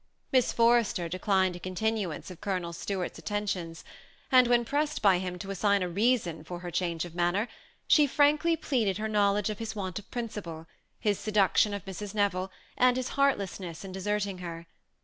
Miss Forrester declined a continuance of Colonel Stuart's attentions ; and when pressed by him to assign a reason for her change of manner, she frank ly pleaded her knowledge of his want of principle, his seduction of Mrs. Neville, and his heartlessness in de serting her.